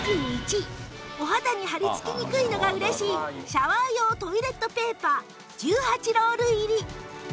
３１位お肌に張りつきにくいのが嬉しいシャワー用トイレットペーパー１８ロール入り